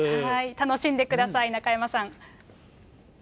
楽しんでください、中山さん。